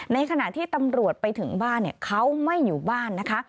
ในขณะที่ตำรวจไปถึงบ้านเขาไม่อยู่บ้านนะคะ